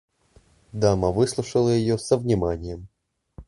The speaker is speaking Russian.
Дама выслушала ее со вниманием.